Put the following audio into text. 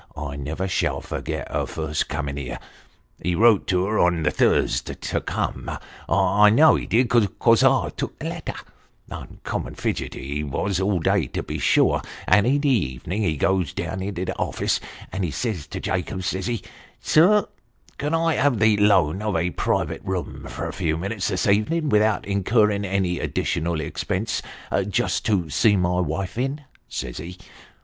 I never shall forget her first comin' here ; he wrote to her on the Thursday to come I know he did, 'cos I took the letter. Uncommon fidgety he was all day to be sure, and in the evening he goes down into tho office, and ho says to Jacobs, says he, ' Sir, can I have the loan of a private room for a few minutes this evening, without in curring any additional expense just to see my wife in ?' says he.